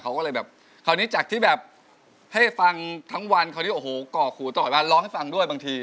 เขาก็เลยแบบคราวนี้จากที่แบบให้ฟังทั้งวันคราวนี้โอ้โหก่อขู่ต่อยมาร้องให้ฟังด้วยบางที